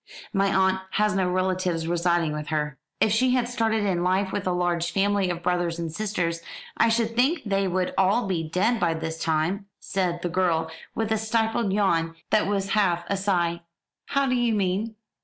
"My aunt has no relatives residing with her." "If she had started in life with a large family of brothers and sisters, I should think they would all be dead by this time," said the girl, with a stifled yawn that was half a sigh. "How do you mean?"